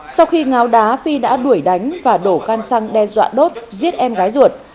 sau khi ngáo đá phi đã đuổi đánh và đổ can xăng đe dọa đốt giết em gái ruột